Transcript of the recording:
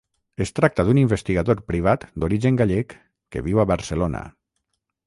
Es tracta d'un investigador privat d'origen gallec que viu a Barcelona.